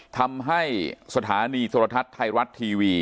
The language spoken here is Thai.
ทำให้สถานีโทรทัศน์ไทยรัฐทีวี